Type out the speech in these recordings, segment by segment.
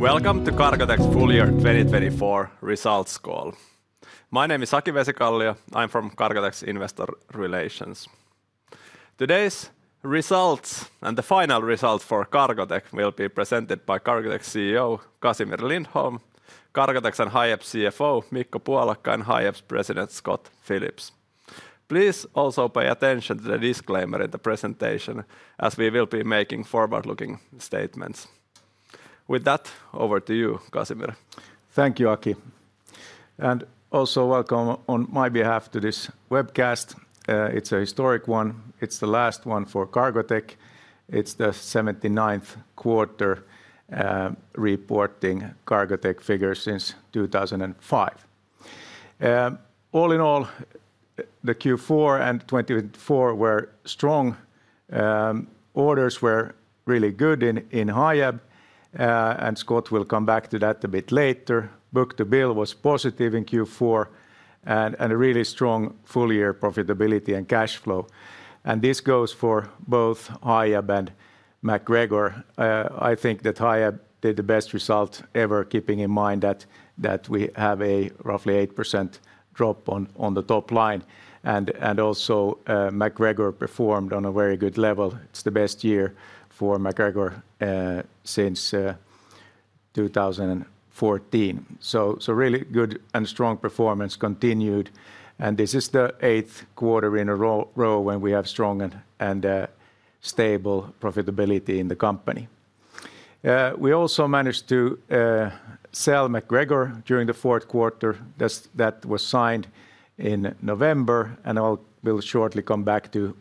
Welcome to Cargotec full year 2024 results call. My name is Aki Vesikallio. I'm from Cargotec Investor Relations. Today's results and the final results for Cargotec will be presented by Cargotec CEO, Casimir Lindholm, Cargotec and Hiab CFO, Mikko Puolakka, and Hiab's President, Scott Phillips. Please also pay attention to the disclaimer in the presentation, as we will be making forward-looking statements. With that, over to you, Casimir. Thank you, Aki. And also welcome on my behalf to this webcast. It's a historic one. It's the last one for Cargotec. It's the 79th quarter reporting Cargotec figures since 2005. All in all, the Q4 and 2024 were strong. Orders were really good in Hiab, and Scott will come back to that a bit later. Book-to-bill was positive in Q4 and a really strong full-year profitability and cash flow. And this goes for both Hiab and MacGregor. I think that Hiab did the best result ever, keeping in mind that we have a roughly 8% drop on the top line. And also, MacGregor performed on a very good level. It's the best year for MacGregor since 2014. So really good and strong performance continued. And this is the eighth quarter in a row when we have strong and stable profitability in the company. We also managed to sell MacGregor during the fourth quarter. That was signed in November, and I'll shortly come back to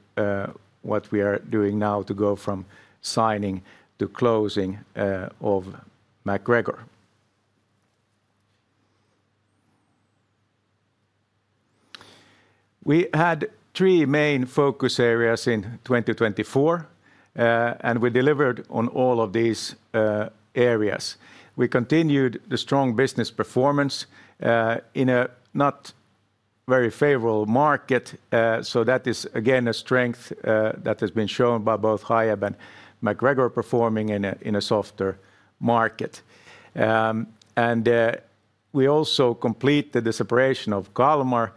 what we are doing now to go from signing to closing of MacGregor. We had three main focus areas in 2024, and we delivered on all of these areas. We continued the strong business performance in a not very favorable market. So that is, again, a strength that has been shown by both Hiab and MacGregor performing in a softer market. And we also completed the separation of Kalmar.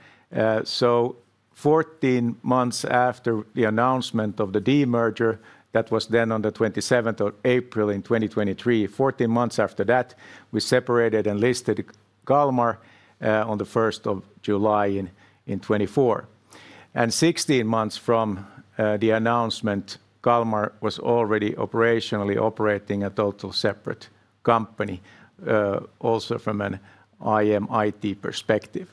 So 14 months after the announcement of the demerger, that was then on the 27th of April in 2023, 14 months after that, we separated and listed Kalmar on the 1st of July in 2024. And 16 months from the announcement, Kalmar was already operationally operating a total separate company, also from an IM&T perspective.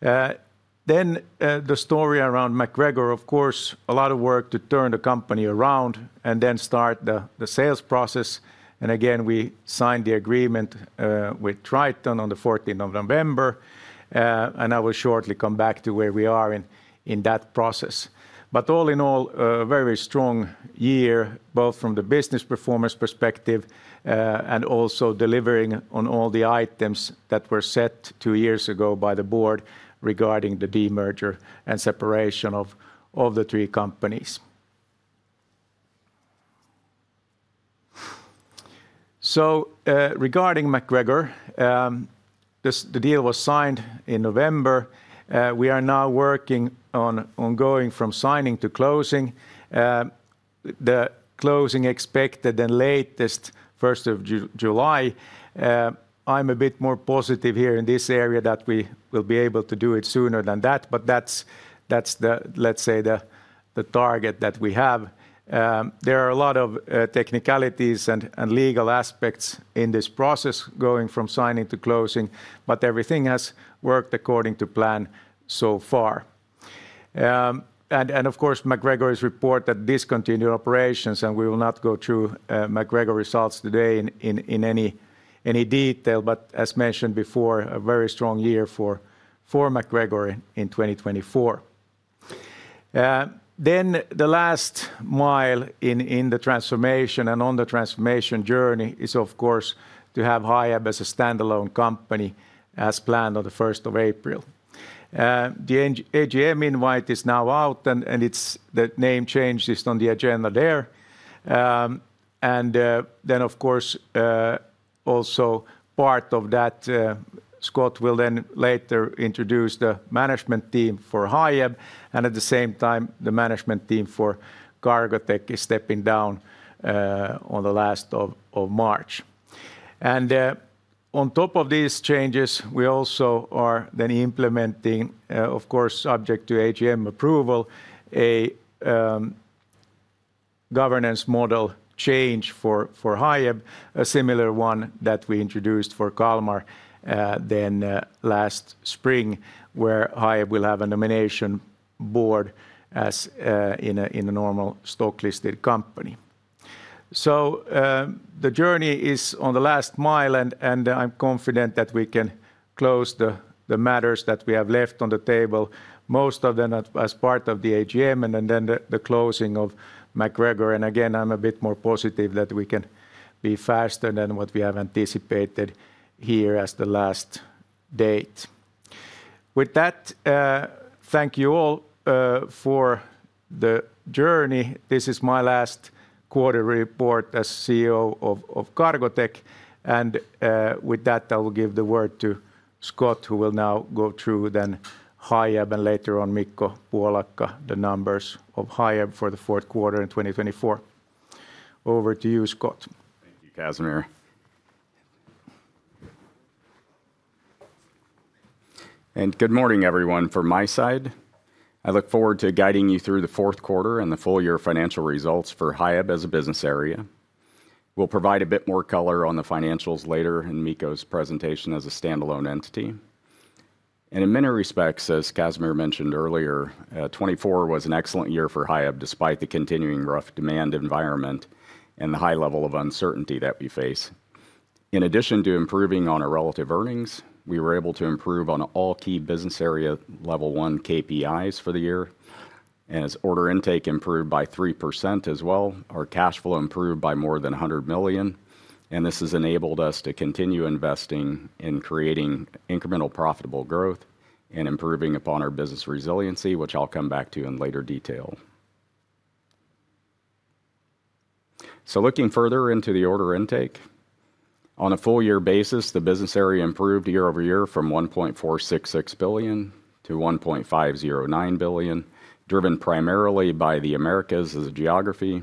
Then the story around MacGregor, of course, a lot of work to turn the company around and then start the sales process. And again, we signed the agreement with Triton on the 14th of November. And I will shortly come back to where we are in that process. But all in all, a very, very strong year, both from the business performance perspective and also delivering on all the items that were set two years ago by the board regarding the demerger and separation of the three companies. So regarding MacGregor, the deal was signed in November. We are now working on going from signing to closing. The closing expected the latest 1st of July. I'm a bit more positive here in this area that we will be able to do it sooner than that, but that's, let's say, the target that we have. There are a lot of technicalities and legal aspects in this process going from signing to closing, but everything has worked according to plan so far, and of course, MacGregor is reported as discontinued operations, and we will not go through MacGregor results today in any detail, but as mentioned before, a very strong year for MacGregor in 2024, then the last mile in the transformation and on the transformation journey is, of course, to have Hiab as a standalone company as planned on the 1st of April. The AGM invite is now out, and the name change is on the agenda there, and then, of course, also part of that, Scott will then later introduce the management team for Hiab, and at the same time, the management team for Cargotec is stepping down on the last of March. And on top of these changes, we also are then implementing, of course, subject to AGM approval, a governance model change for Hiab, a similar one that we introduced for Kalmar then last spring, where Hiab will have a nomination board as in a normal stock-listed company. So the journey is on the last mile, and I'm confident that we can close the matters that we have left on the table, most of them as part of the AGM and then the closing of MacGregor. And again, I'm a bit more positive that we can be faster than what we have anticipated here as the last date. With that, thank you all for the journey. This is my last quarter report as CEO of Cargotec. With that, I will give the word to Scott, who will now go through the Hiab and later on Mikko Puolakka, the numbers of Hiab for the fourth quarter in 2024. Over to you, Scott. Thank you, Casimir. Good morning, everyone. From my side, I look forward to guiding you through the fourth quarter and the full year financial results for Hiab as a business area. We'll provide a bit more color on the financials later in Mikko's presentation as a standalone entity. In many respects, as Casimir mentioned earlier, 2024 was an excellent year for Hiab despite the continuing rough demand environment and the high level of uncertainty that we face. In addition to improving on our relative earnings, we were able to improve on all key business area level one KPIs for the year. As order intake improved by 3% as well, our cash flow improved by more than 100 million. This has enabled us to continue investing in creating incremental profitable growth and improving upon our business resiliency, which I'll come back to in later detail. Looking further into the order intake, on a full-year basis, the business area improved year over year from 1.466 billion to 1.509 billion, driven primarily by the Americas as a geography,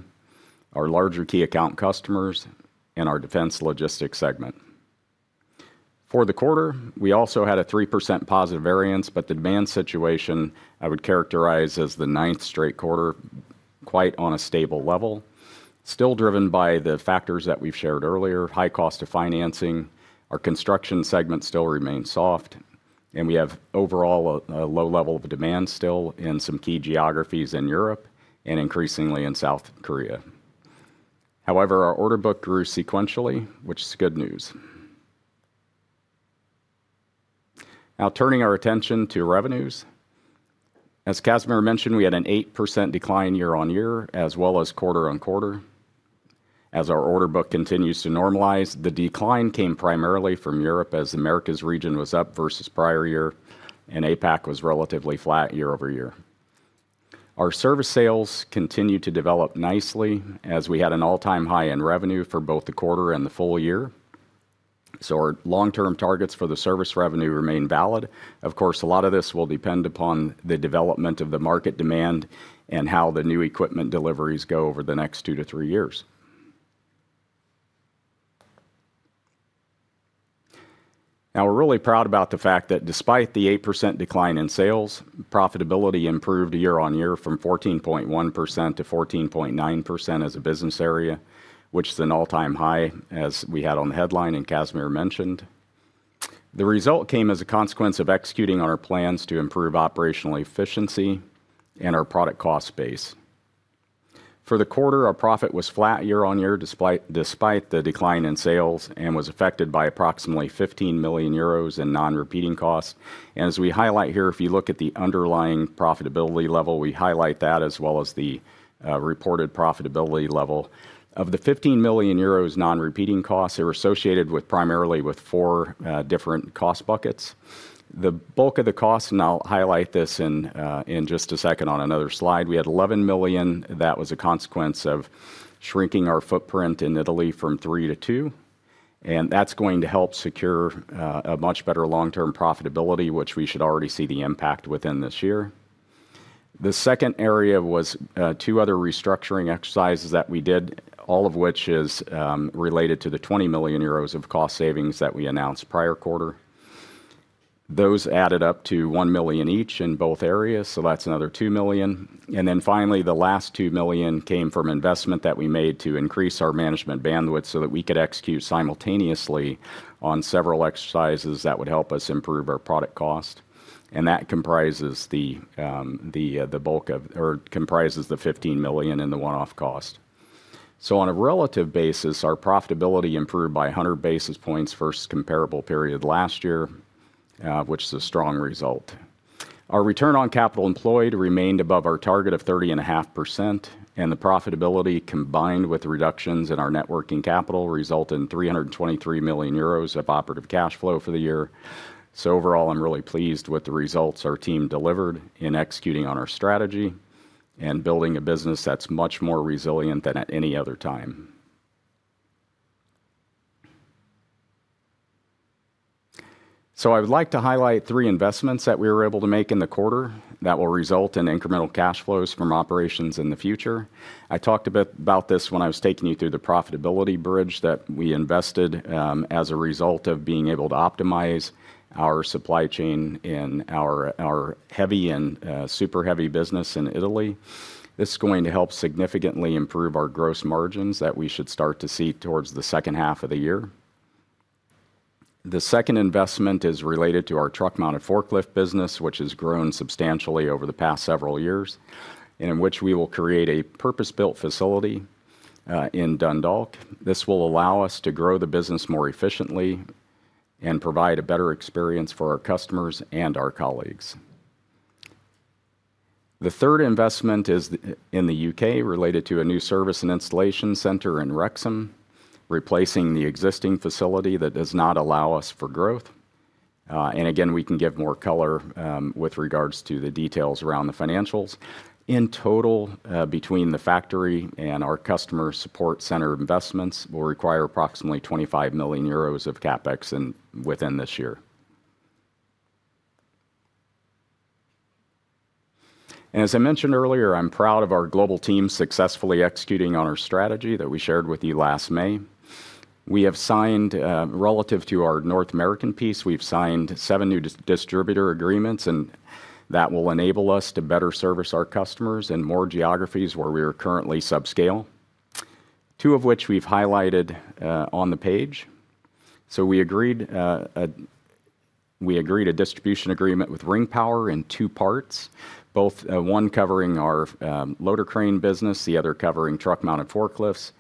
our larger key account customers, and our defense logistics segment. For the quarter, we also had a 3% positive variance, but the demand situation I would characterize as the ninth straight quarter quite on a stable level. Still driven by the factors that we've shared earlier, high cost of financing, our construction segment still remains soft, and we have overall a low level of demand still in some key geographies in Europe and increasingly in South Korea. However, our order book grew sequentially, which is good news. Now turning our attention to revenues. As Casimir mentioned, we had an 8% decline year-on-year, as well as quarter on quarter As our order book continues to normalize, the decline came primarily from Europe as Americas region was up versus prior year, and APAC was relatively flat year over year. Our service sales continued to develop nicely as we had an all-time high in revenue for both the quarter and the full year. So our long-term targets for the service revenue remain valid. Of course, a lot of this will depend upon the development of the market demand and how the new equipment deliveries go over the next two to three years. Now we're really proud about the fact that despite the 8% decline in sales, profitability improved year-on-year from 14.1% to 14.9% as a business area, which is an all-time high as we had on the headline and Casimir mentioned. The result came as a consequence of executing on our plans to improve operational efficiency and our product cost base. For the quarter, our profit was flat year-on-year despite the decline in sales and was affected by approximately 15 million euros in non-repeating costs, and as we highlight here, if you look at the underlying profitability level, we highlight that as well as the reported profitability level. Of the 15 million euros non-repeating costs, they were associated primarily with four different cost buckets. The bulk of the costs, and I'll highlight this in just a second on another slide. We had 11 million. That was a consequence of shrinking our footprint in Italy from three to two, and that's going to help secure a much better long-term profitability, which we should already see the impact within this year. The second area was two other restructuring exercises that we did, all of which is related to the 20 million euros of cost savings that we announced prior quarter. Those added up to 1 million each in both areas, so that's another 2 million. And then finally, the last 2 million came from investment that we made to increase our management bandwidth so that we could execute simultaneously on several exercises that would help us improve our product cost. And that comprises the bulk of or comprises the 15 million in the one-off cost. So on a relative basis, our profitability improved by 100 basis points versus comparable period last year, which is a strong result. Our return on capital employed remained above our target of 30.5%, and the profitability combined with reductions in our net working capital resulted in 323 million euros of operating cash flow for the year. Overall, I'm really pleased with the results our team delivered in executing on our strategy and building a business that's much more resilient than at any other time. I would like to highlight three investments that we were able to make in the quarter that will result in incremental cash flows from operations in the future. I talked a bit about this when I was taking you through the profitability bridge that we invested as a result of being able to optimize our supply chain in our heavy and super heavy business in Italy. This is going to help significantly improve our gross margins that we should start to see towards the second half of the year. The second investment is related to our truck-mounted forklift business, which has grown substantially over the past several years, and in which we will create a purpose-built facility in Dundalk. This will allow us to grow the business more efficiently and provide a better experience for our customers and our colleagues. The third investment is in the U.K. related to a new service and installation center in Wrexham, replacing the existing facility that does not allow us for growth, and again, we can give more color with regards to the details around the financials. In total, between the factory and our customer support center investments, we'll require approximately 25 million euros of CapEx within this year, and as I mentioned earlier, I'm proud of our global team successfully executing on our strategy that we shared with you last May. We have signed, relative to our North American piece, we've signed seven new distributor agreements, and that will enable us to better service our customers in more geographies where we are currently subscale, two of which we've highlighted on the page. So we agreed a distribution agreement with Ring Power in two parts, both one covering our loader crane business, the other covering truck-mounted forklifts.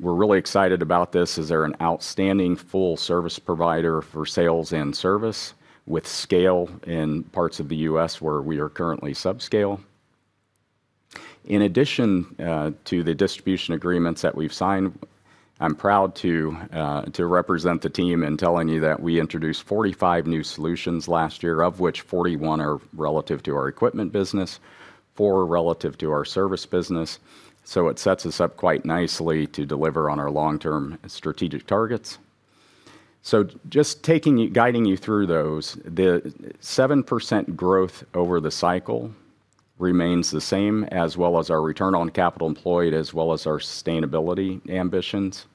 We're really excited about this as they're an outstanding full service provider for sales and service with scale in parts of the U.S. where we are currently subscale. In addition to the distribution agreements that we've signed, I'm proud to represent the team in telling you that we introduced 45 new solutions last year, of which 41 are relative to our equipment business, four relative to our service business. So just guiding you through those, the 7% growth over the cycle remains the same, as well as our return on capital employed, as well as our sustainability ambitions.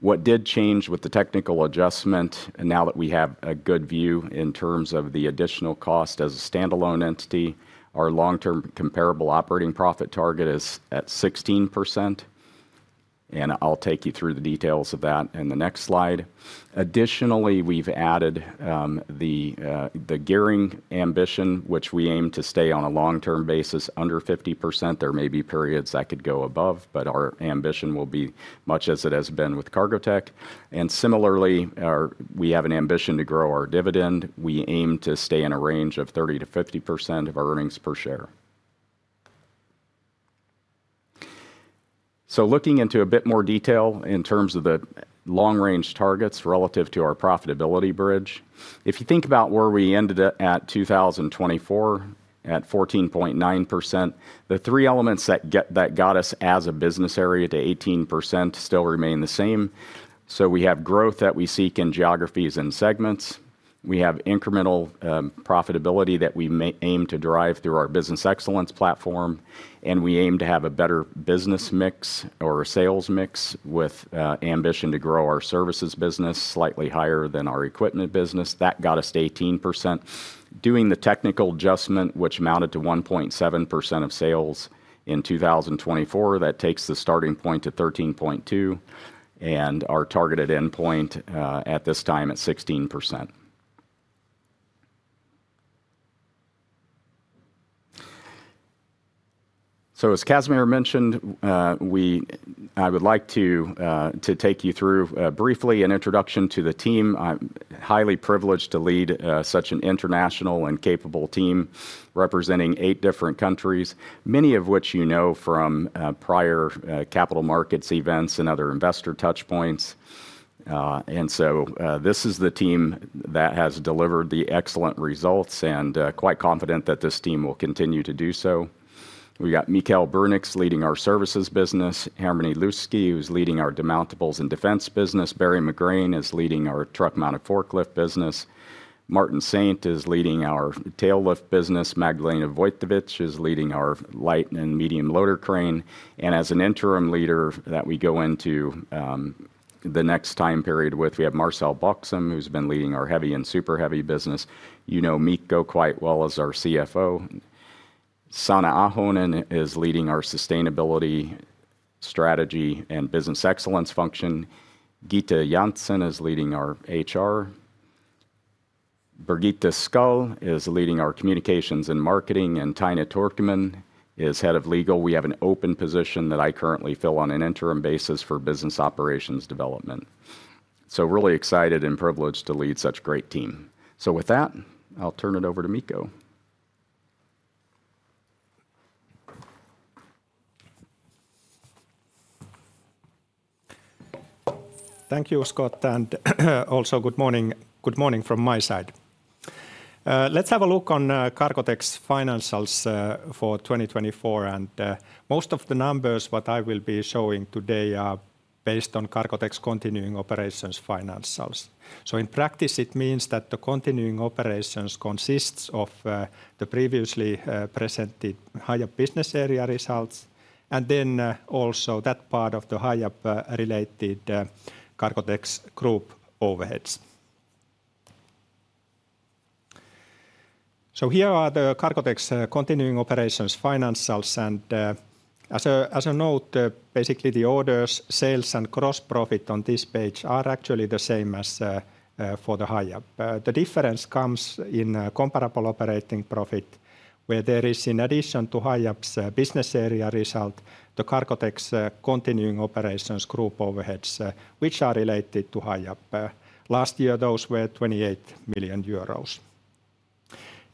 What did change with the technical adjustment, now that we have a good view in terms of the additional cost as a standalone entity. Our long-term comparable operating profit target is at 16%. I'll take you through the details of that in the next slide. Additionally, we've added the gearing ambition, which we aim to stay on a long-term basis under 50%. There may be periods that could go above, but our ambition will be much as it has been with Cargotec. Similarly, we have an ambition to grow our dividend. We aim to stay in a range of 30%-50% of our earnings per share. Looking into a bit more detail in terms of the long-range targets relative to our profitability bridge, if you think about where we ended at 2024 at 14.9%, the three elements that got us as a business area to 18% still remain the same. We have growth that we seek in geographies and segments. We have incremental profitability that we aim to drive through our Business Excellence platform, and we aim to have a better business mix or sales mix with ambition to grow our services business slightly higher than our equipment business. That got us to 18%. Doing the technical adjustment, which amounted to 1.7% of sales in 2024, that takes the starting point to 13.2% and our targeted endpoint at this time at 16%. As Casimir mentioned, I would like to take you through briefly an introduction to the team. I'm highly privileged to lead such an international and capable team representing eight different countries, many of which you know from prior capital markets events and other investor touchpoints. And so this is the team that has delivered the excellent results and quite confident that this team will continue to do so. We've got Michaël Bruninx leading our services business, Hermanni Lyyski leading our demountables and defense business, Barry McGrane is leading our truck-mounted forklift business, Martin Saint is leading our tail lift business, Magdalena Wojtowicz is leading our light and medium loader crane. And as an interim leader that we go into the next time period with, we have Marcel Boxem, who's been leading our heavy and super heavy business. You know Mikko quite well as our CFO. Sanna Ahonen is leading our sustainability strategy and Business Excellence function. Ghita Jansson is leading our HR. Birgitte Skade is leading our communications and marketing, and Taina Tirkkonen is head of legal. We have an open position that I currently fill on an interim basis for business operations development, so really excited and privileged to lead such a great team, so with that, I'll turn it over to Mikko. Thank you, Scott, and also good morning from my side. Let's have a look on Cargotec's financials for 2024. Most of the numbers that I will be showing today are based on Cargotec's continuing operations financials. In practice, it means that the continuing operations consist of the previously presented Hiab business area results, and then also that part of the Hiab related Cargotec's group overheads. Here are the Cargotec's continuing operations financials. As a note, basically the orders, sales, and gross profit on this page are actually the same as for the Hiab. The difference comes in comparable operating profit, where there is, in addition to Hiab's business area result, the Cargotec's continuing operations group overheads, which are related to Hiab. Last year, those were 28 million euros.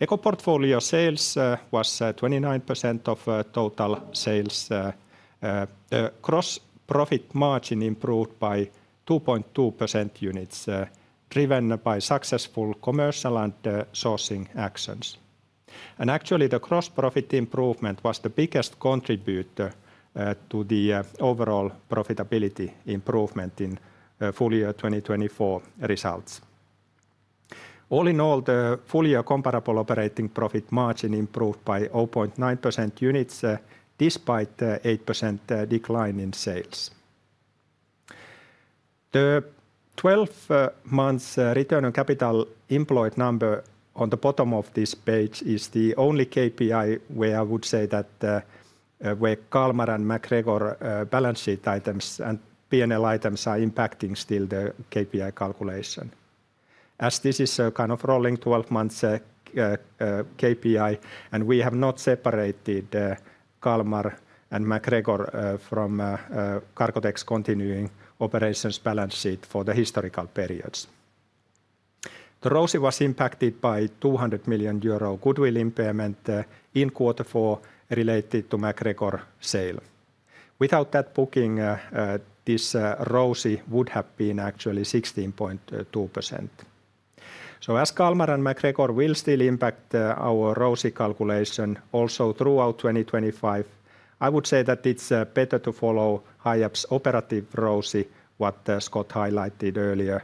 Eco Portfolio sales was 29% of total sales. The gross profit margin improved by 2.2% units, driven by successful commercial and sourcing actions. Actually, the gross profit improvement was the biggest contributor to the overall profitability improvement in full year 2024 results. All in all, the full year comparable operating profit margin improved by 0.9% units despite the 8% decline in sales. The 12-month return on capital employed number on the bottom of this page is the only KPI where I would say that where Kalmar and MacGregor balance sheet items and P&L items are impacting still the KPI calculation. As this is a kind of rolling 12-month KPI, and we have not separated Kalmar and MacGregor from Cargotec's continuing operations balance sheet for the historical periods. The ROCE was impacted by 200 million euro goodwill impairment in quarter four related to MacGregor sale. Without that booking, this ROCE would have been actually 16.2%. As Kalmar and MacGregor will still impact our ROCE calculation also throughout 2025, I would say that it's better to follow Hiab's operative ROCE, what Scott highlighted earlier,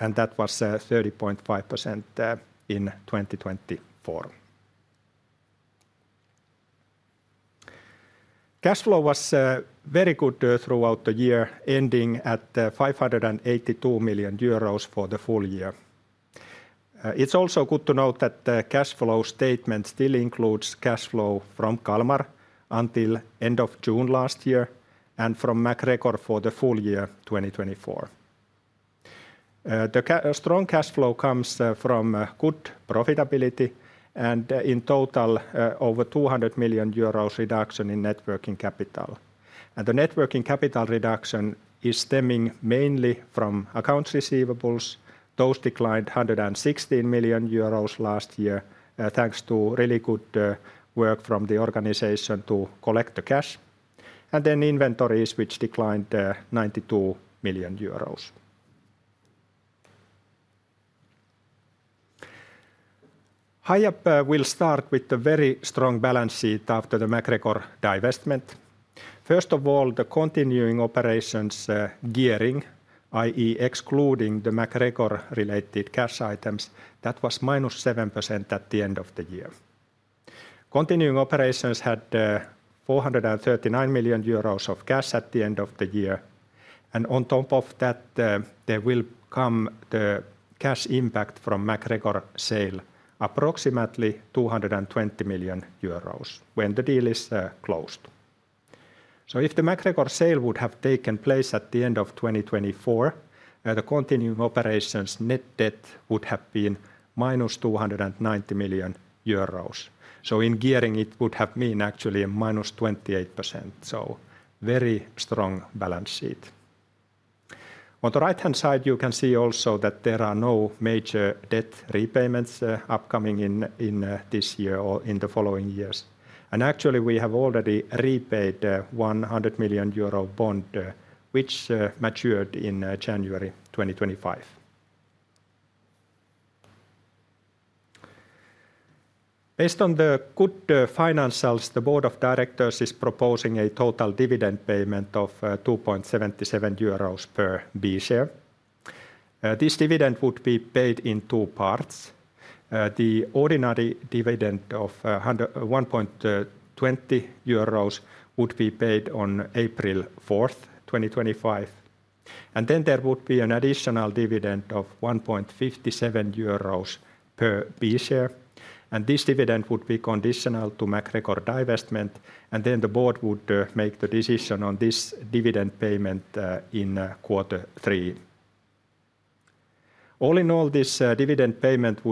and that was 30.5% in 2024. Cash flow was very good throughout the year, ending at 582 million euros for the full year. It's also good to note that the cash flow statement still includes cash flow from Kalmar until end of June last year and from MacGregor for the full year 2024. The strong cash flow comes from good profitability and in total over 200 million euros reduction in net working capital. The net working capital reduction is stemming mainly from accounts receivables. Those declined 116 million euros last year thanks to really good work from the organization to collect the cash. Then inventories, which declined 92 million euros. Hiab will start with a very strong balance sheet after the MacGregor divestment. First of all, the continuing operations gearing, i.e., excluding the MacGregor-related cash items, that was -7% at the end of the year. Continuing operations had 439 million euros of cash at the end of the year. And on top of that, there will come the cash impact from MacGregor sale, approximately 220 million euros when the deal is closed. So if the MacGregor sale would have taken place at the end of 2024, the continuing operations net debt would have been -290 million euros. So in gearing, it would have been actually -28%. So very strong balance sheet. On the right-hand side, you can see also that there are no major debt repayments upcoming in this year or in the following years. Actually, we have already repaid the 100 million euro bond, which matured in January 2025. Based on the good financials, the Board of Directors is proposing a total dividend payment of 2.77 euros per B share. This dividend would be paid in two parts. The ordinary dividend of 1.20 euros would be paid on April 4th, 2025. Then there would be an additional dividend of 1.57 euros per B share. This dividend would be conditional to MacGregor divestment. Then the board would make the decision on this dividend payment in quarter three. All in all, these dividend payments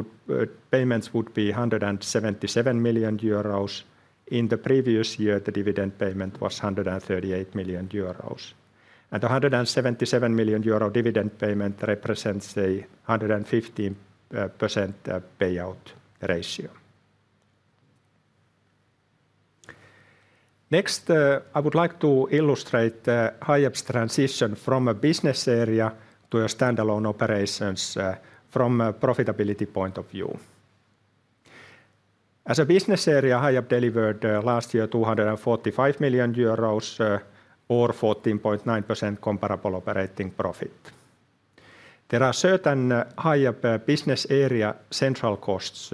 would be 177 million euros. In the previous year, the dividend payment was 138 million euros. The 177 million euro dividend payment represents a 150% payout ratio. Next, I would like to illustrate Hiab's transition from a business area to a standalone operations from a profitability point of view. As a business area, Hiab delivered last year 245 million euros, or 14.9% comparable operating profit. There are certain Hiab business area central costs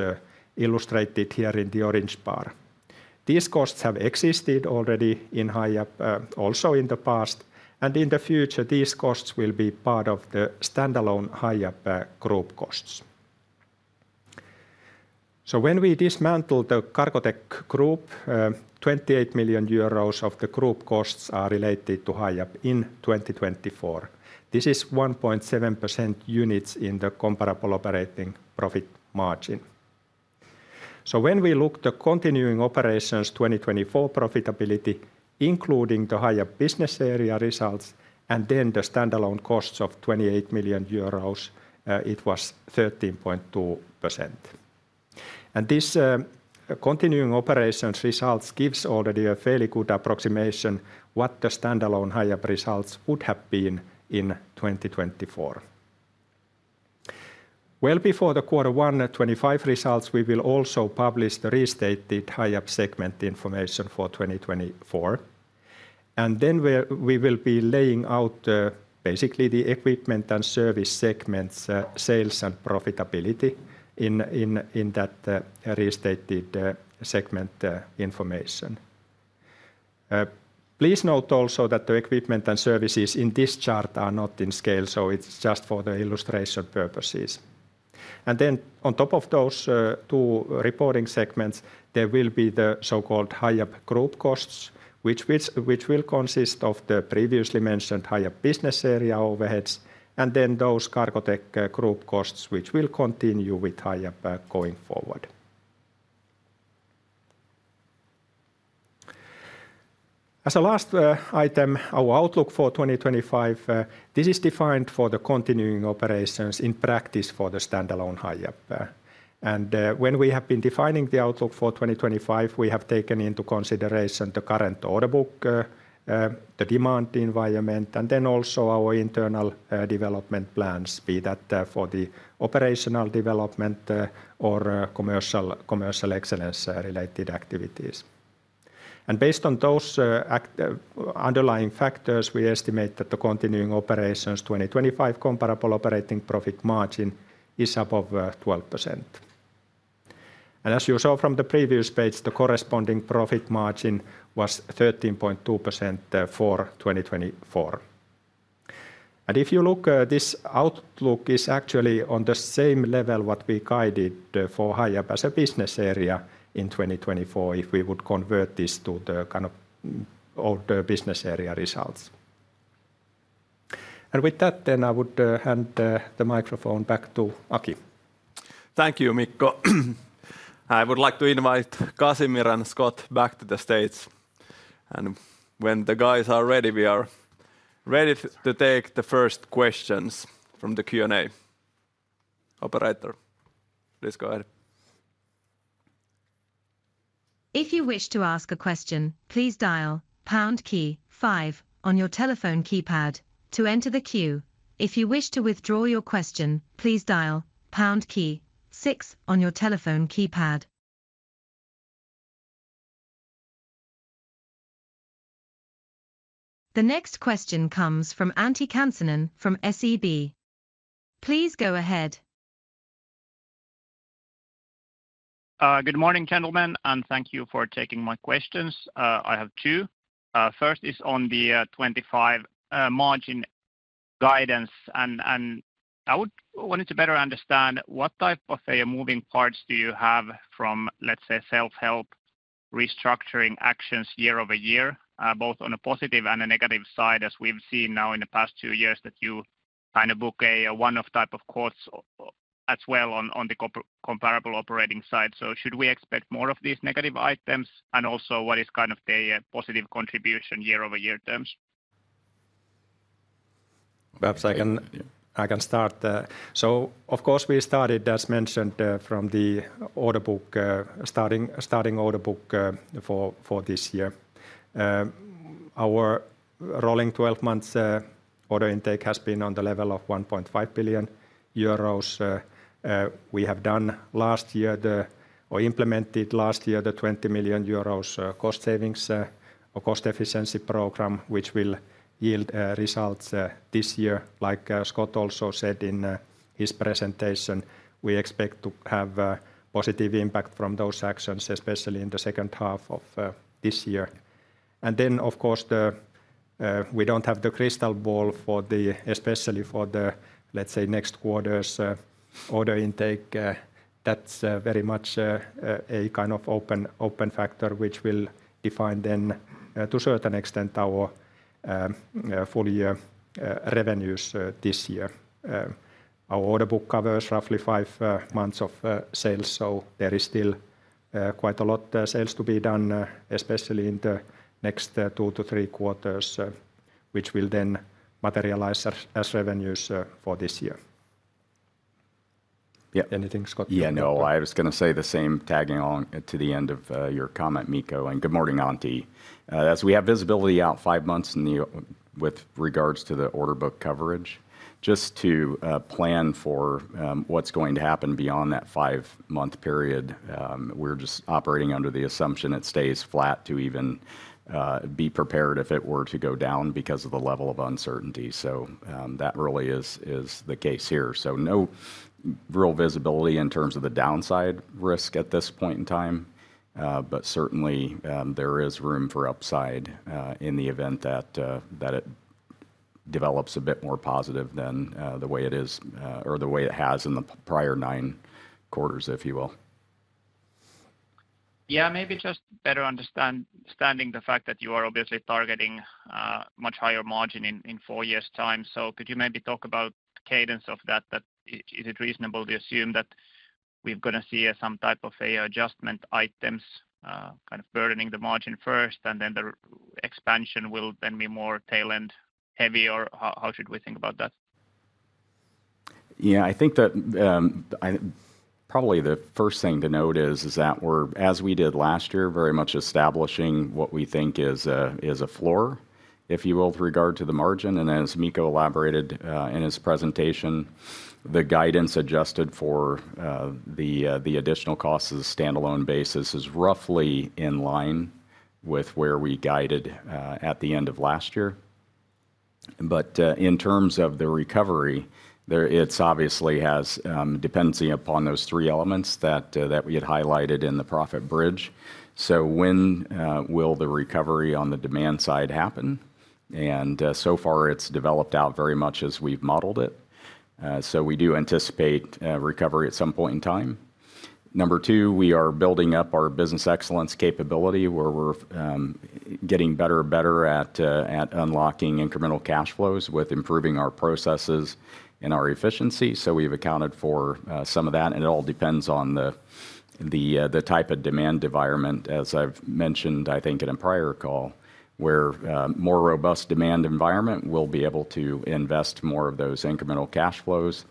illustrated here in the orange bar. These costs have existed already in Hiab also in the past. And in the future, these costs will be part of the standalone Hiab group costs. So when we dismantle the Cargotec group, 28 million euros of the group costs are related to Hiab in 2024. This is 1.7% units in the comparable operating profit margin. So when we look at the continuing operations 2024 profitability, including the Hiab business area results and then the standalone costs of 28 million euros, it was 13.2%. This continuing operations results gives already a fairly good approximation of what the standalone Hiab results would have been in 2024. Before the quarter one 2025 results, we will also publish the restated Hiab segment information for 2024. We will be laying out basically the equipment and service segments, sales and profitability in that restated segment information. Please note also that the equipment and services in this chart are not in scale, so it's just for the illustration purposes. On top of those two reporting segments, there will be the so-called Hiab group costs, which will consist of the previously mentioned Hiab business area overheads, and then those Cargotec group costs which will continue with Hiab going forward. As a last item, our outlook for 2025. This is defined for the continuing operations in practice for the standalone Hiab. When we have been defining the outlook for 2025, we have taken into consideration the current order book, the demand environment, and then also our internal development plans be that for the operational development or commercial excellence related activities. Based on those underlying factors, we estimate that the continuing operations 2025 comparable operating profit margin is above 12%. As you saw from the previous page, the corresponding profit margin was 13.2% for 2024. If you look, this outlook is actually on the same level as what we guided for Hiab as a business area in 2024 if we would convert this to the kind of old business area results. With that, then I would hand the microphone back to Aki. Thank you, Mikko. I would like to invite Casimir and Scott back to the stage, and when the guys are ready, we are ready to take the first questions from the Q&A operator. Please go ahead. If you wish to ask a question, please dial pound key five on your telephone keypad to enter the queue. If you wish to withdraw your question, please dial pound key six on your telephone keypad. The next question comes from Antti Kansanen from SEB. Please go ahead. Good morning, gentlemen, and thank you for taking my questions. I have two. First is on the 25% margin guidance, and I would want to better understand what type of moving parts do you have from, let's say, self-help restructuring actions year over year, both on a positive and a negative side, as we've seen now in the past two years that you kind of book a one-off type of costs as well on the comparable operating side. So should we expect more of these negative items, and also what is kind of the positive contribution year over year terms? Perhaps I can start, so of course we started, as mentioned, from the order book, starting order book for this year. Our rolling 12-month order intake has been on the level of 1.5 billion euros. We have done last year, or implemented last year, the 20 million euros cost savings or cost efficiency program, which will yield results this year. Like Scott also said in his presentation, we expect to have a positive impact from those actions, especially in the second half of this year, and then of course, we don't have the crystal ball for the, especially for the, let's say, next quarter's order intake. That's very much a kind of open factor, which will define then, to a certain extent, our full year revenues this year. Our order book covers roughly five months of sales, so there is still quite a lot of sales to be done, especially in the next two to three quarters, which will then materialize as revenues for this year. Yeah, anything, Scott? Yeah, no, I was going to say the same, tagging on to the end of your comment, Mikko, and good morning, Antti. As we have visibility out five months with regards to the order book coverage, just to plan for what's going to happen beyond that five-month period, we're just operating under the assumption it stays flat to even be prepared if it were to go down because of the level of uncertainty. So that really is the case here. So no real visibility in terms of the downside risk at this point in time, but certainly there is room for upside in the event that it develops a bit more positive than the way it is, or the way it has in the prior nine quarters, if you will. Yeah, maybe just better understanding the fact that you are obviously targeting much higher margin in four years' time. So could you maybe talk about the cadence of that? Is it reasonable to assume that we're going to see some type of AI adjustment items kind of burdening the margin first, and then the expansion will then be more tail-end heavy? Or how should we think about that? Yeah, I think that probably the first thing to note is that we're, as we did last year, very much establishing what we think is a floor, if you will, with regard to the margin, and as Mikko elaborated in his presentation, the guidance adjusted for the additional costs as a standalone basis is roughly in line with where we guided at the end of last year, but in terms of the recovery, it obviously has dependency upon those three elements that we had highlighted in the profit bridge. So when will the recovery on the demand side happen? And so far, it's developed out very much as we've modeled it, so we do anticipate recovery at some point in time. Number two, we are building up our business excellence capability where we're getting better and better at unlocking incremental cash flows with improving our processes and our efficiency. We've accounted for some of that. It all depends on the type of demand environment. As I've mentioned, I think in a prior call, where more robust demand environment will be able to invest more of those incremental cash flows.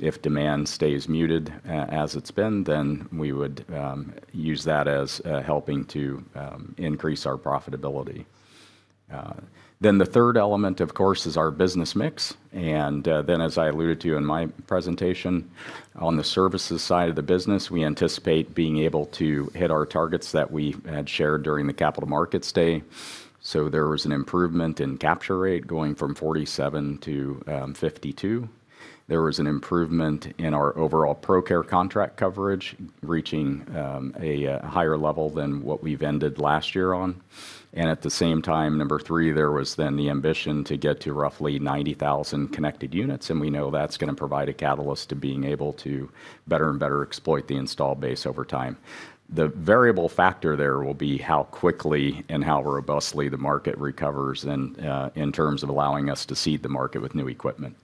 If demand stays muted as it's been, then we would use that as helping to increase our profitability. The third element, of course, is our business mix. As I alluded to in my presentation, on the services side of the business, we anticipate being able to hit our targets that we had shared during the Capital Markets Day. There was an improvement in capture rate going from 47 to 52. There was an improvement in our overall ProCare contract coverage reaching a higher level than what we've ended last year on. At the same time, number three, there was then the ambition to get to roughly 90,000 connected units. We know that's going to provide a catalyst to being able to better and better exploit the installed base over time. The variable factor there will be how quickly and how robustly the market recovers in terms of allowing us to seed the market with new equipment.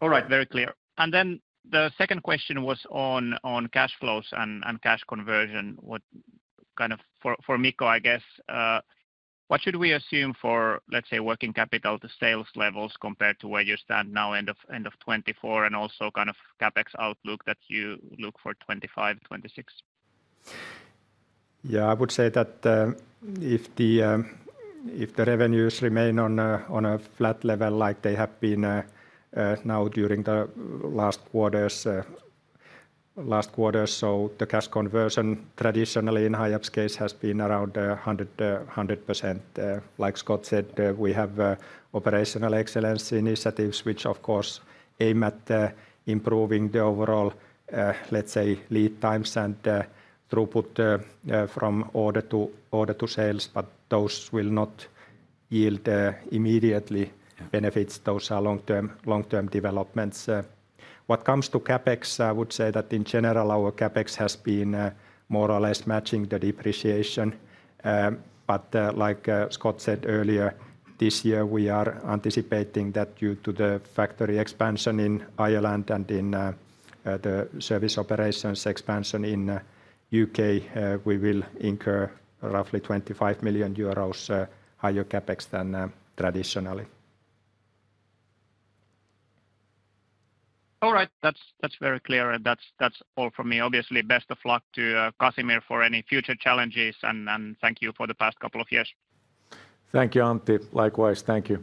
All right, very clear. And then the second question was on cash flows and cash conversion. Kind of for Mikko, I guess, what should we assume for, let's say, working capital to sales levels compared to where you stand now end of 2024 and also kind of CapEx outlook that you look for 2025, 2026? Yeah, I would say that if the revenues remain on a flat level like they have been now during the last quarters, so the cash conversion traditionally in Hiab's case has been around 100%. Like Scott said, we have operational excellence initiatives, which of course aim at improving the overall, let's say, lead times and throughput from order to sales, but those will not yield immediately benefits. Those are long-term developments. What comes to CapEx, I would say that in general, our CapEx has been more or less matching the depreciation. But like Scott said earlier, this year we are anticipating that due to the factory expansion in Ireland and in the service operations expansion in the U.K., we will incur roughly 25 million euros higher CapEx than traditionally. All right, that's very clear. And that's all from me. Obviously, best of luck to Casimir for any future challenges. And thank you for the past couple of years. Thank you, Antti. Likewise, thank you.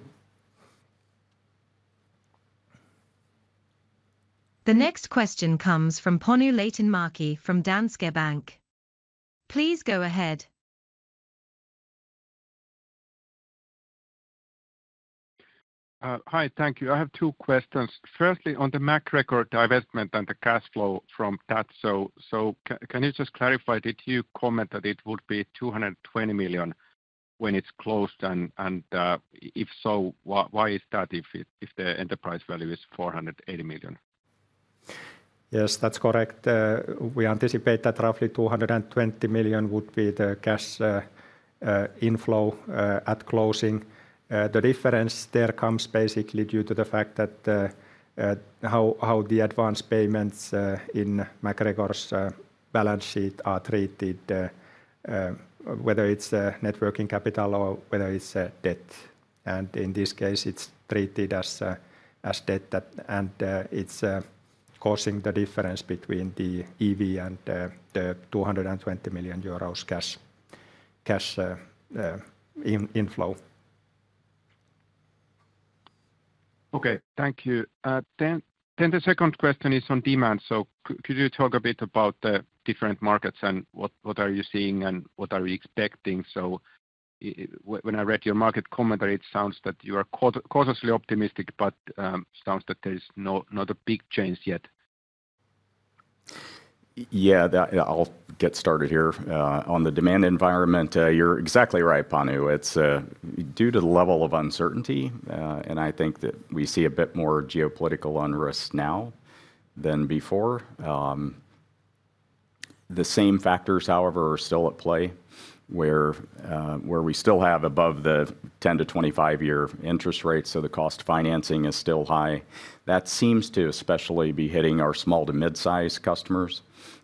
The next question comes from Panu Laitinmäki from Danske Bank. Please go ahead. Hi, thank you. I have two questions. First, on the MacGregor divestment and the cash flow from that. So can you just clarify, did you comment that it would be 220 million when it's closed? And if so, why is that if the enterprise value is 480 million? Yes, that's correct. We anticipate that roughly 220 million would be the cash inflow at closing. The difference there comes basically due to the fact that how the advance payments in MacGregor's balance sheet are treated, whether it's net working capital or whether it's debt, and in this case, it's treated as debt, and it's causing the difference between the EV and the 220 million euros cash inflow. Okay, thank you. Then the second question is on demand. So could you talk a bit about the different markets and what are you seeing and what are we expecting? So when I read your market commentary, it sounds that you are cautiously optimistic, but it sounds that there's not a big change yet. Yeah, I'll get started here. On the demand environment, you're exactly right, Panu. It's due to the level of uncertainty, and I think that we see a bit more geopolitical unrest now than before. The same factors, however, are still at play where we still have above the 10 year-25 year interest rates. So the cost of financing is still high. That seems to especially be hitting our small- to mid-size customers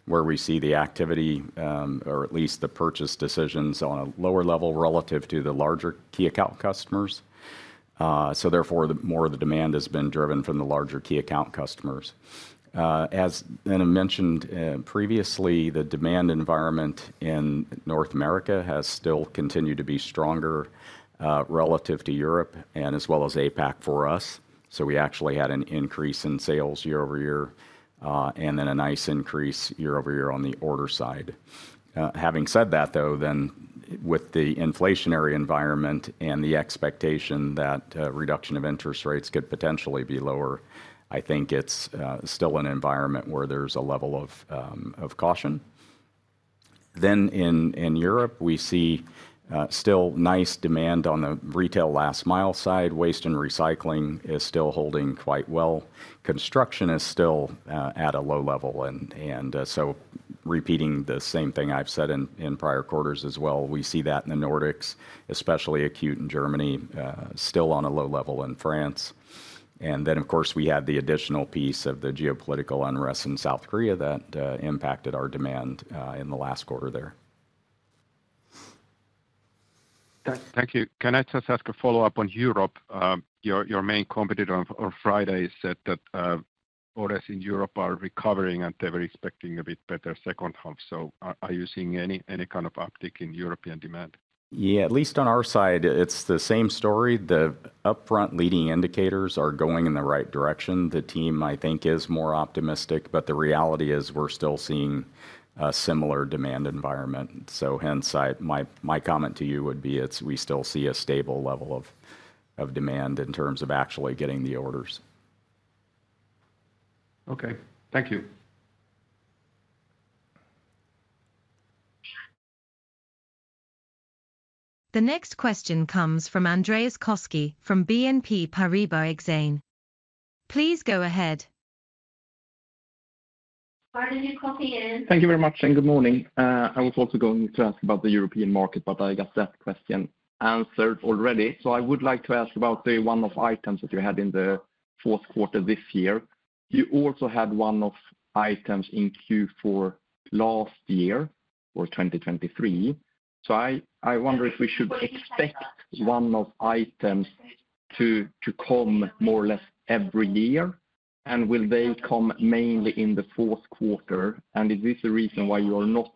where we see the activity, or at least the purchase decisions on a lower level relative to the larger key account customers. So therefore, more of the demand has been driven from the larger key account customers. As I mentioned previously, the demand environment in North America has still continued to be stronger relative to Europe and as well as APAC for us. We actually had an increase in sales year over year and then a nice increase year over year on the order side. Having said that, though, with the inflationary environment and the expectation that reduction of interest rates could potentially be lower, I think it's still an environment where there's a level of caution. In Europe, we see still nice demand on the retail last mile side. Waste and recycling is still holding quite well. Construction is still at a low level. Repeating the same thing I've said in prior quarters as well, we see that in the Nordics, especially acute in Germany, still on a low level in France. Of course, we had the additional piece of the geopolitical unrest in South Korea that impacted our demand in the last quarter there. Thank you. Can I just ask a follow-up on Europe? Your main competitor on Friday said that orders in Europe are recovering and they were expecting a bit better second half. So are you seeing any kind of uptick in European demand? Yeah, at least on our side, it's the same story. The upfront leading indicators are going in the right direction. The team, I think, is more optimistic, but the reality is we're still seeing a similar demand environment. So hence, my comment to you would be we still see a stable level of demand in terms of actually getting the orders. Okay, thank you. The next question comes from Andreas Koski from BNP Paribas Exane. Please go ahead. Pardon your coffee in. Thank you very much and good morning. I was also going to ask about the European market, but I guess that question answered already. So I would like to ask about one of the items that you had in the fourth quarter this year. You also had one of the items in Q4 last year or 2023. So I wonder if we should expect one of the items to come more or less every year. And will they come mainly in the fourth quarter? And is this the reason why you are not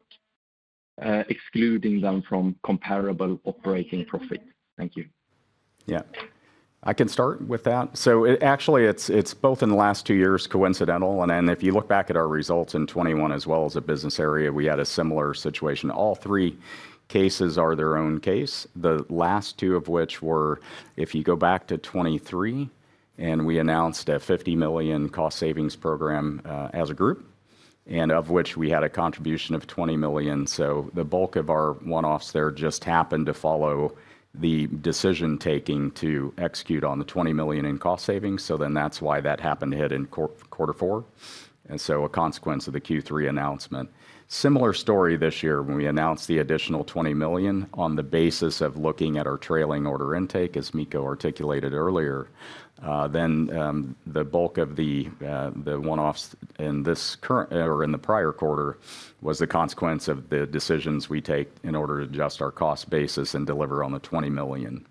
excluding them from comparable operating profit? Thank you. Yeah, I can start with that. So actually, it's both in the last two years coincidental. Then if you look back at our results in 2021 as well as a business area, we had a similar situation. All three cases are their own case. The last two of which were, if you go back to 2023, and we announced a 50 million cost savings program as a group, and of which we had a contribution of 20 million. So the bulk of our one-offs there just happened to follow the decision taking to execute on the 20 million in cost savings. So then that's why that happened to hit in quarter four. And so a consequence of the Q3 announcement. Similar story this year when we announced the additional 20 million on the basis of looking at our trailing order intake, as Mikko articulated earlier. Then the bulk of the one-offs in this current or in the prior quarter was the consequence of the decisions we take in order to adjust our cost basis and deliver on the 20 million.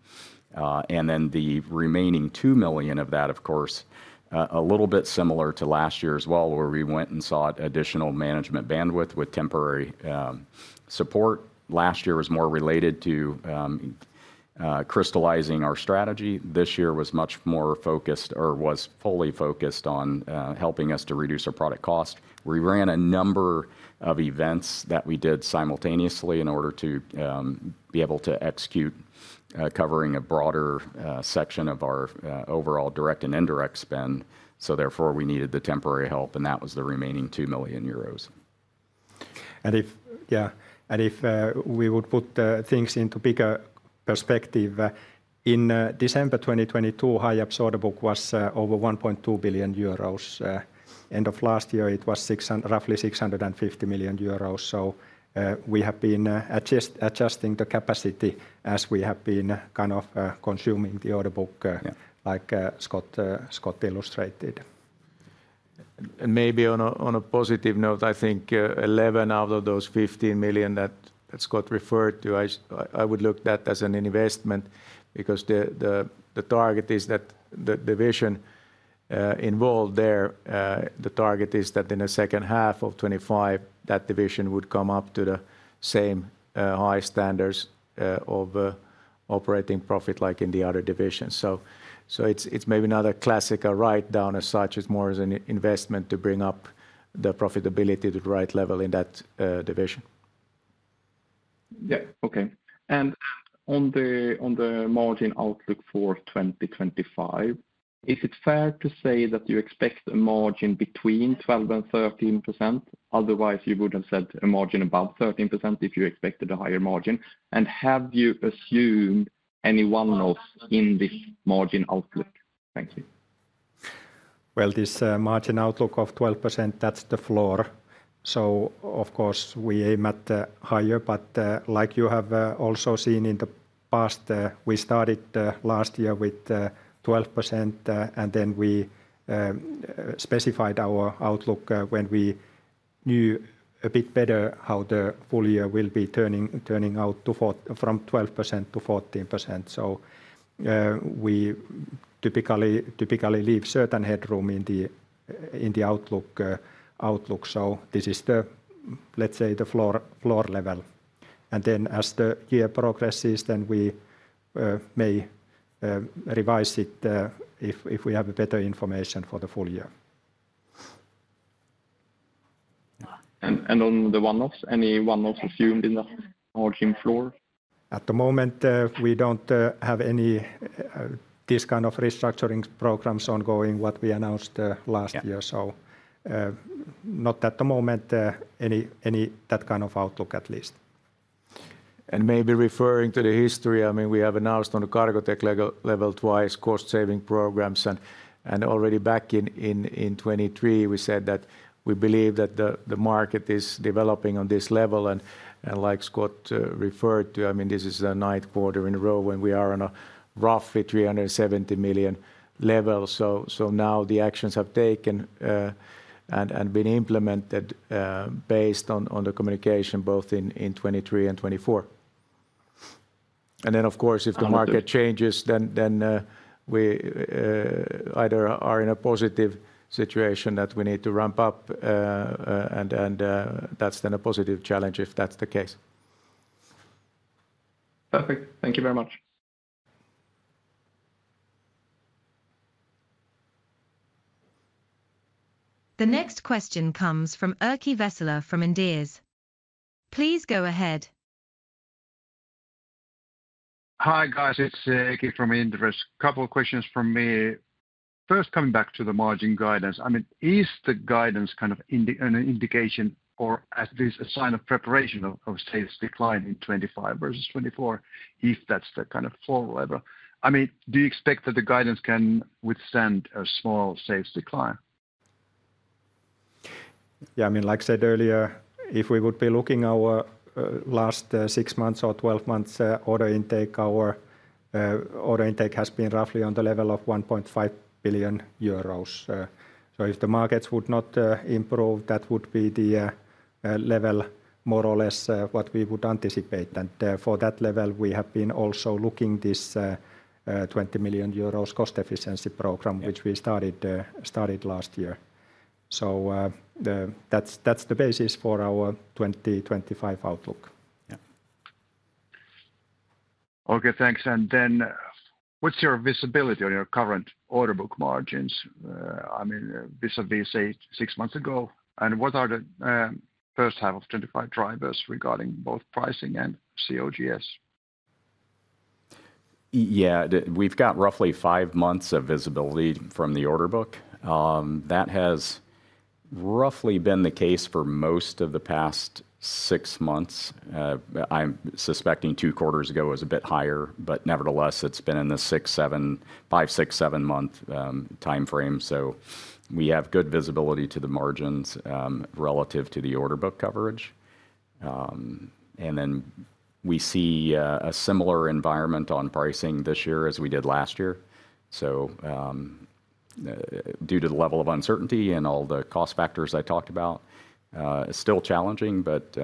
And then the remaining 2 million of that, of course, a little bit similar to last year as well, where we went and sought additional management bandwidth with temporary support. Last year was more related to crystallizing our strategy. This year was much more focused or was fully focused on helping us to reduce our product cost. We ran a number of events that we did simultaneously in order to be able to execute covering a broader section of our overall direct and indirect spend. So therefore, we needed the temporary help. And that was the remaining 2 million euros. And if we would put things into bigger perspective, in December 2022, Hiab's order book was over 1.2 billion euros. End of last year, it was roughly 650 million euros. So we have been adjusting the capacity as we have been kind of consuming the order book, like Scott illustrated. And maybe on a positive note, I think 11 million out of those 15 million that Scott referred to, I would look at that as an investment because the target is that the division involved there, the target is that in the second half of 2025, that division would come up to the same high standards of operating profit like in the other divisions. So it's maybe not a classical write-down as such, it's more as an investment to bring up the profitability to the right level in that division. Yeah, okay, and on the margin outlook for 2025, is it fair to say that you expect a margin between 12% and 13%? Otherwise, you would have said a margin above 13% if you expected a higher margin, and have you assumed any one-offs in this margin outlook? Thank you. This margin outlook of 12%, that's the floor. So of course, we aim at the higher, but like you have also seen in the past, we started last year with 12%, and then we specified our outlook when we knew a bit better how the full year will be turning out from 12% to 14%. So we typically leave certain headroom in the outlook. So this is the, let's say, the floor level. And then as the year progresses, then we may revise it if we have better information for the full year. On the one-offs, any one-offs assumed in the margin floor? At the moment, we don't have any of these kind of restructuring programs ongoing, what we announced last year. So, not at the moment, any that kind of outlook at least. Maybe referring to the history, I mean, we have announced on the Cargotec level twice cost saving programs. Already back in 2023, we said that we believe that the market is developing on this level. Like Scott referred to, I mean, this is the ninth quarter in a row when we are on a roughly 370 million level. Now the actions have taken and been implemented based on the communication both in 2023 and 2024. Then, of course, if the market changes, then we either are in a positive situation that we need to ramp up, and that's then a positive challenge if that's the case. Perfect. Thank you very much. The next question comes from Erkki Vesola from Inderes. Please go ahead. Hi guys, it's Erkki from Inderes. A couple of questions from me. First, coming back to the margin guidance, I mean, is the guidance kind of an indication or at least a sign of preparation of a sales decline in 2025 versus 2024 if that's the kind of floor level? I mean, do you expect that the guidance can withstand a small sales decline? Yeah, I mean, like I said earlier, if we would be looking at our last six months or 12 months order intake, our order intake has been roughly on the level of 1.5 billion euros. So if the markets would not improve, that would be the level more or less what we would anticipate. And for that level, we have been also looking at this 20 million euros cost efficiency program, which we started last year. So that's the basis for our 2025 outlook. Okay, thanks. And then what's your visibility on your current order book margins, I mean, vis-à-vis six months ago? And what are the first half of 2025 drivers regarding both pricing and COGS? Yeah, we've got roughly five months of visibility from the order book. That has roughly been the case for most of the past six months. I'm suspecting two quarters ago was a bit higher, but nevertheless, it's been in the six, seven, five, six, seven month timeframe. So we have good visibility to the margins relative to the order book coverage. And then we see a similar environment on pricing this year as we did last year. So due to the level of uncertainty and all the cost factors I talked about, it's still challenging, but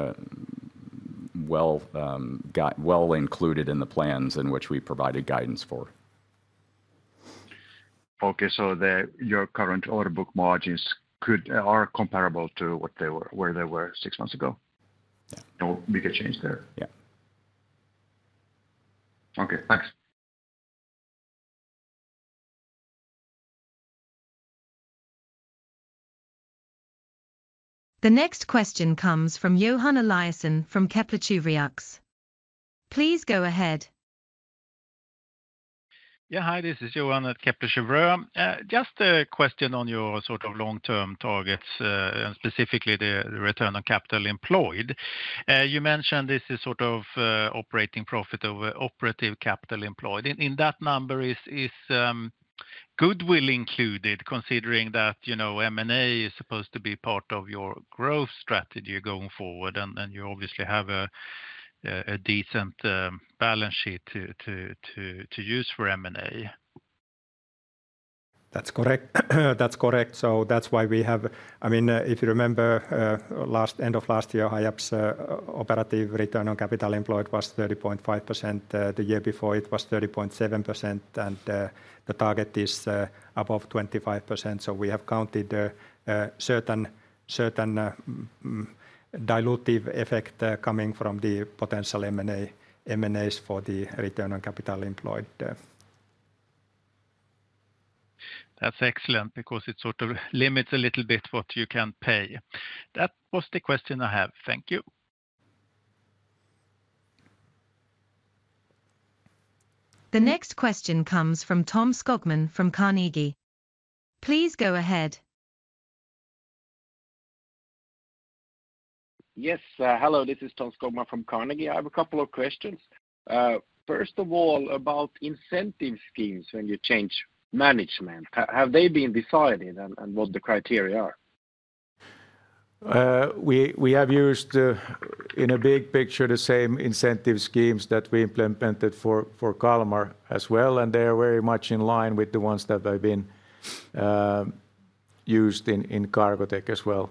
well included in the plans in which we provided guidance for. Okay, so your current order book margins are comparable to where they were six months ago? Yeah. No bigger change there? Yeah. Okay, thanks. The next question comes from Johan Eliason from Kepler Cheuvreux. Please go ahead. Yeah, hi, this is Johan at Kepler Cheuvreux. Just a question on your sort of long-term targets, specifically the return on capital employed. You mentioned this is sort of operating profit over operating capital employed. In that number, is goodwill included considering that M&A is supposed to be part of your growth strategy going forward, and you obviously have a decent balance sheet to use for M&A? That's correct. That's correct. So that's why we have, I mean, if you remember, last end of last year, Hiab's operative return on capital employed was 30.5%. The year before, it was 30.7%, and the target is above 25%. So we have counted certain dilutive effect coming from the potential M&As for the return on capital employed. That's excellent because it sort of limits a little bit what you can pay. That was the question I have. Thank you. The next question comes from Tom Skogman from Carnegie. Please go ahead. Yes, hello, this is Tom Skogman from Carnegie. I have a couple of questions. First of all, about incentive schemes when you change management, have they been decided and what the criteria are? We have used in a big picture the same incentive schemes that we implemented for Kalmar as well, and they are very much in line with the ones that have been used in Cargotec as well.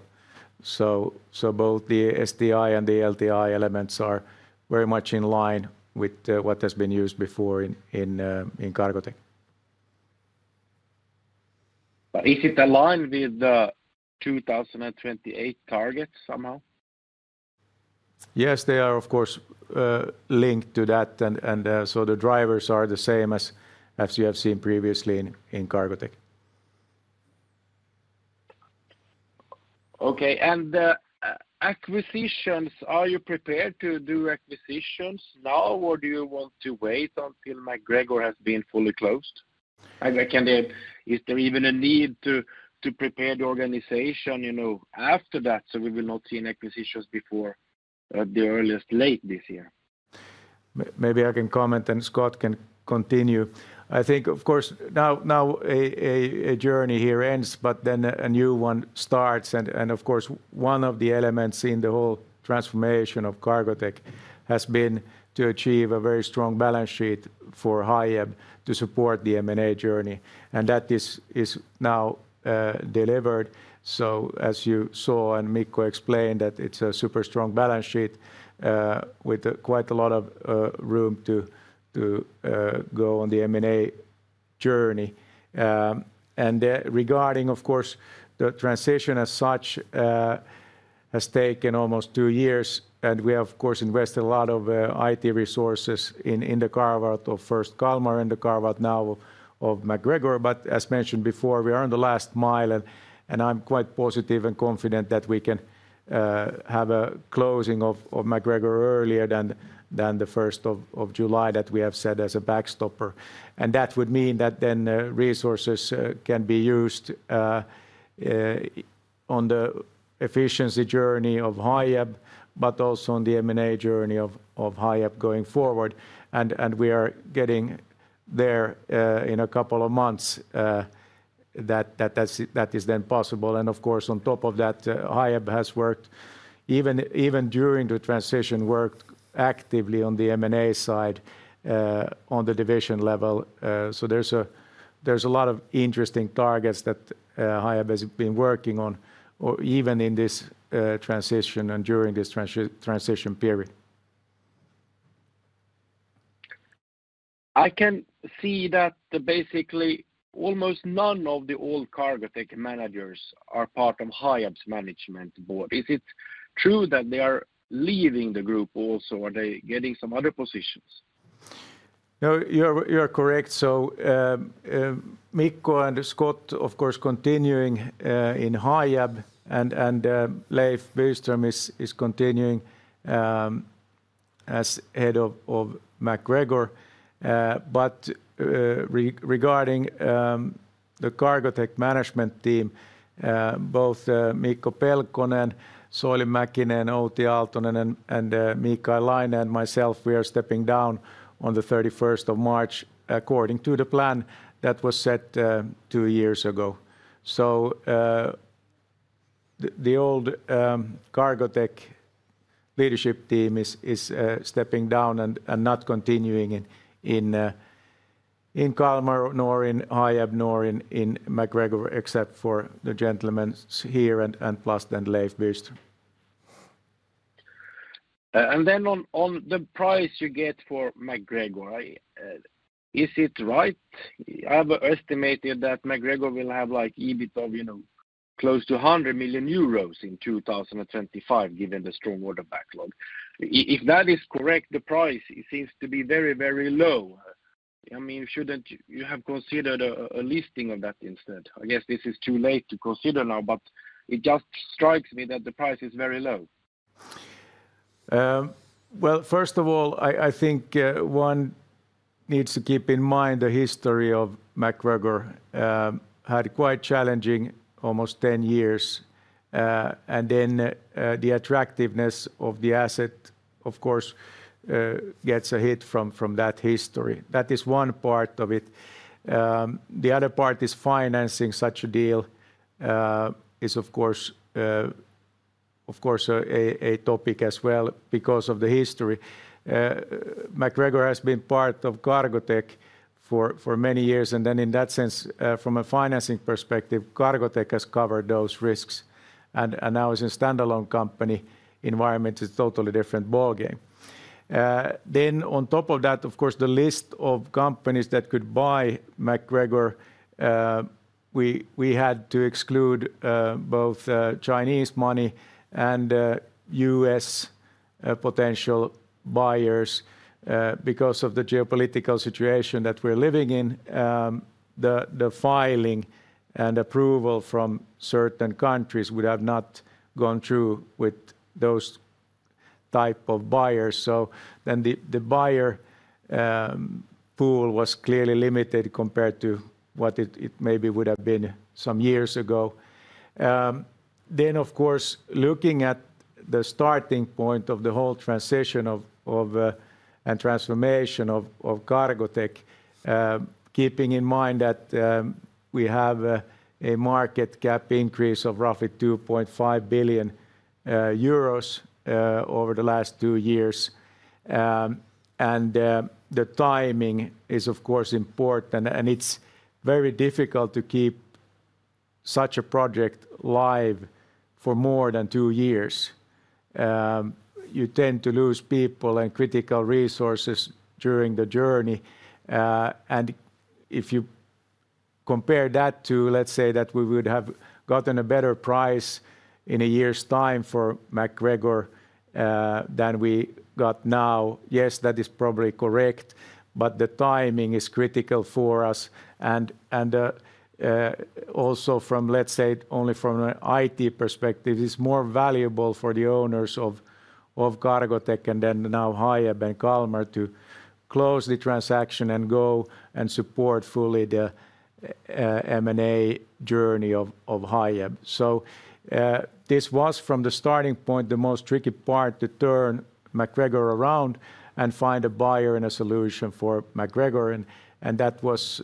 So both the STI and the LTI elements are very much in line with what has been used before in Cargotec. Is it aligned with the 2028 targets somehow? Yes, they are of course linked to that, and so the drivers are the same as you have seen previously in Cargotec. Okay, and acquisitions, are you prepared to do acquisitions now, or do you want to wait until MacGregor has been fully closed? Is there even a need to prepare the organization after that so we will not see an acquisition before the earliest late this year? Maybe I can comment and Scott can continue. I think, of course, now a journey here ends, but then a new one starts. And of course, one of the elements in the whole transformation of Cargotec has been to achieve a very strong balance sheet for Hiab to support the M&A journey. And that is now delivered. So as you saw and Mikko explained that it's a super strong balance sheet with quite a lot of room to go on the M&A journey. And regarding, of course, the transition as such has taken almost two years. And we have, of course, invested a lot of IT resources in the carve-out of first Kalmar and the carve-out now of MacGregor. But as mentioned before, we are on the last mile, and I'm quite positive and confident that we can have a closing of MacGregor earlier than the first of July that we have set as a backstop. And that would mean that then resources can be used on the efficiency journey of Hiab, but also on the M&A journey of Hiab going forward. And we are getting there in a couple of months that is then possible. And of course, on top of that, Hiab has worked even during the transition, worked actively on the M&A side on the division level. So there's a lot of interesting targets that Hiab has been working on even in this transition and during this transition period. I can see that basically almost none of the old Cargotec managers are part of Hiab's management board. Is it true that they are leaving the group also, or are they getting some other positions? No, you are correct. So Mikko and Scott, of course, continuing in Hiab, and Leif Byström is continuing as head of MacGregor. But regarding the Cargotec management team, both Mikko Pelkonen, Soili Mäkinen, Outi Aaltonen, and Mikael Laine and myself, we are stepping down on the 31st of March according to the plan that was set two years ago. So the old Cargotec leadership team is stepping down and not continuing in Kalmar, nor in Hiab, nor in MacGregor, except for the gentlemen here and plus then Leif Byström. Then on the price you get for MacGregor, is it right? I have estimated that MacGregor will have like EBITDA close to 100 million euros in 2025 given the strong order backlog. If that is correct, the price seems to be very, very low. I mean, shouldn't you have considered a listing of that instead? I guess this is too late to consider now, but it just strikes me that the price is very low. First of all, I think one needs to keep in mind the history of MacGregor had quite challenging almost 10 years. And then the attractiveness of the asset, of course, gets a hit from that history. That is one part of it. The other part is financing such a deal is, of course, of course, a topic as well because of the history. MacGregor has been part of Cargotec for many years. And then in that sense, from a financing perspective, Cargotec has covered those risks. And now it's a standalone company environment, it's a totally different ball game. Then on top of that, of course, the list of companies that could buy MacGregor, we had to exclude both Chinese money and U.S. potential buyers because of the geopolitical situation that we're living in. The filing and approval from certain countries would have not gone through with those types of buyers, so then the buyer pool was clearly limited compared to what it maybe would have been some years ago. Then, of course, looking at the starting point of the whole transition and transformation of Cargotec, keeping in mind that we have a market cap increase of roughly 2.5 billion euros over the last two years, and the timing is, of course, important. And it's very difficult to keep such a project live for more than two years. You tend to lose people and critical resources during the journey. And if you compare that to, let's say that we would have gotten a better price in a year's time for MacGregor than we got now, yes, that is probably correct, but the timing is critical for us. Also from, let's say, only from an IT perspective, it's more valuable for the owners of Cargotec and then now Hiab and Kalmar to close the transaction and go and support fully the M&A journey of Hiab. So this was, from the starting point, the most tricky part to turn MacGregor around and find a buyer and a solution for MacGregor. That was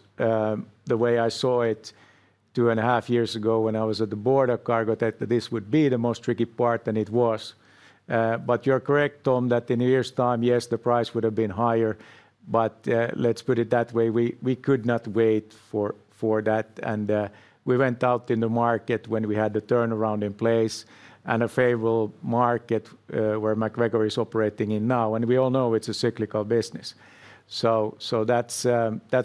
the way I saw it two and a half years ago when I was at the board of Cargotec that this would be the most tricky part, and it was. You're correct, Tom, that in a year's time, yes, the price would have been higher. Let's put it that way, we could not wait for that. We went out in the market when we had the turnaround in place and a favorable market where MacGregor is operating in now. And we all know it's a cyclical business. So that's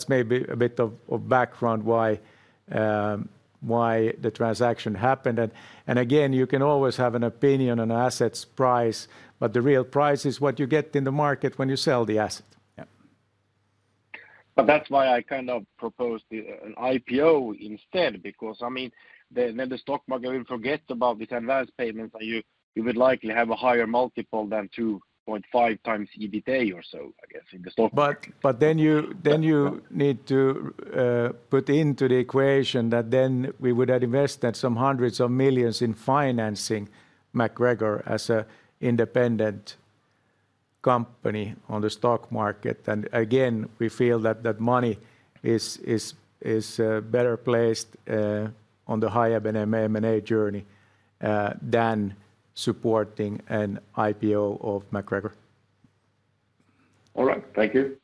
maybe a bit of background why the transaction happened. And again, you can always have an opinion on an asset's price, but the real price is what you get in the market when you sell the asset. But that's why I kind of proposed an IPO instead because, I mean, then the stock market will forget about these advance payments and you would likely have a higher multiple than 2.5x EBITDA or so, I guess, in the stock market. But then you need to put into the equation that then we would have invested some hundreds of millions in financing MacGregor as an independent company on the stock market. And again, we feel that that money is better placed on the Hiab and M&A journey than supporting an IPO of MacGregor. All right, thank you.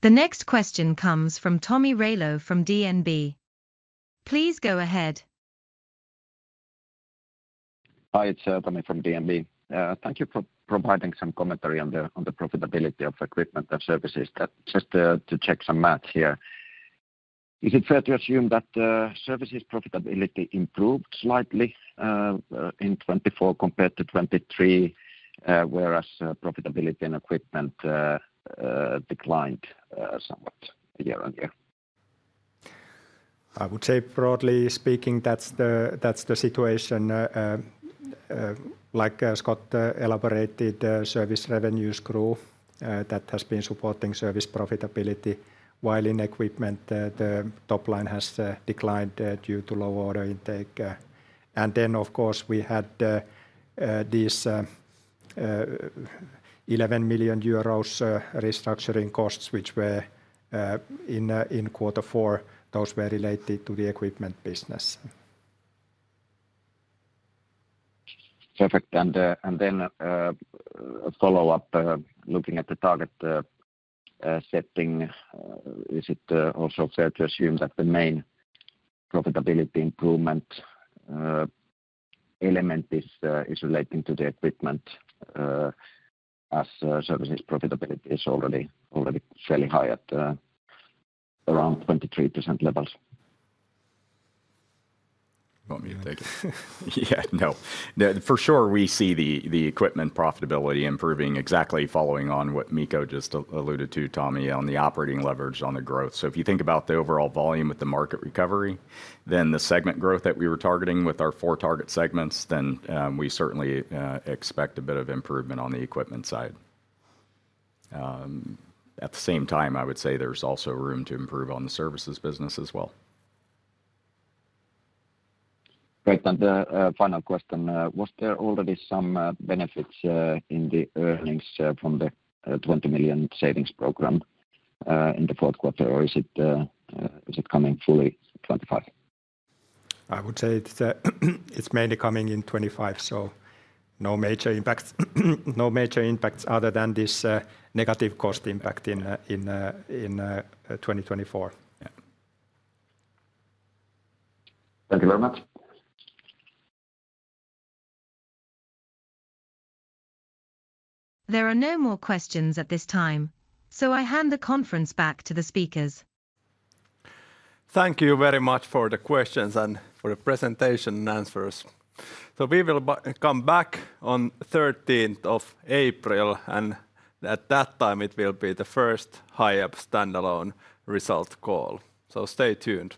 The next question comes from Tomi Railo from DNB. Please go ahead. Hi, it's Tomi from DNB. Thank you for providing some commentary on the profitability of equipment and services. Just to check some math here. Is it fair to assume that services profitability improved slightly in 2024 compared to 2023, whereas profitability and equipment declined somewhat year-on-year? I would say broadly speaking, that's the situation. Like Scott elaborated, service revenues grew, that has been supporting service profitability, while in equipment, the top line has declined due to low order intake, and then, of course, we had these 11 million euros restructuring costs, which were in quarter four, those were related to the equipment business. Perfect. And then a follow-up, looking at the target setting, is it also fair to assume that the main profitability improvement element is relating to the equipment, as services profitability is already fairly high at around 23% levels? Yeah, no. For sure, we see the equipment profitability improving exactly following on what Mikko just alluded to, Tomi, on the operating leverage on the growth. So if you think about the overall volume with the market recovery, then the segment growth that we were targeting with our four target segments, then we certainly expect a bit of improvement on the equipment side. At the same time, I would say there's also room to improve on the services business as well. Great. And final question, was there already some benefits in the earnings from the 20 million savings program in the fourth quarter, or is it coming fully in 2025? I would say it's mainly coming in 2025, so no major impacts other than this negative cost impact in 2024. Thank you very much. There are no more questions at this time, so I hand the conference back to the speakers. Thank you very much for the questions and for the presentation and answers. So we will come back on 13th of April, and at that time, it will be the first Hiab standalone result call. So stay tuned.